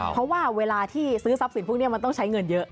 เพราะว่าเวลาที่ซื้อทรัพย์สินพวกนี้มันต้องใช้เงินเยอะ